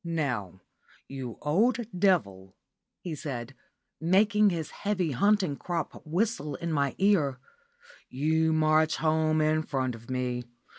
"Now, you old devil," he said, making his heavy hunting crop whistle in my ear, "you march home in front of me.